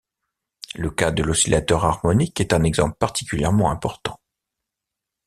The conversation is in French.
Le cas de l’oscillateur harmonique est un exemple particulièrement important.